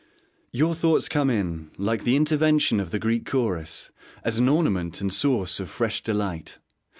Your thoughts come in, like the intervention of the Greek Chorus, as an ornament and source of fresh delight.